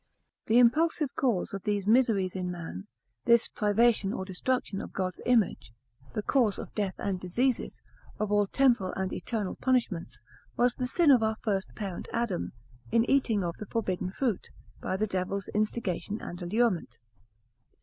] The impulsive cause of these miseries in man, this privation or destruction of God's image, the cause of death and diseases, of all temporal and eternal punishments, was the sin of our first parent Adam, in eating of the forbidden fruit, by the devil's instigation and allurement.